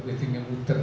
berarti saya muter